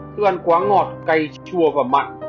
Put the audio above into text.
thức ăn quá ngọt cay chua và mặn